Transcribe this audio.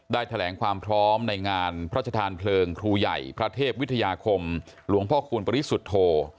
แถลงความพร้อมในงานพระชธานเพลิงครูใหญ่พระเทพวิทยาคมหลวงพ่อคูณปริสุทธโธ